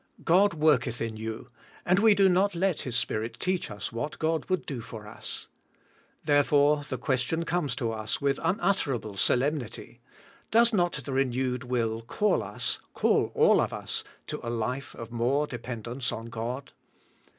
God worketh in you, and we do not let His Spirit teach us what God would do for us. Therefore, the question comes to us with unutterable solemnity. Does not the renewed will call us, call all of us, to a life of more dependence on God?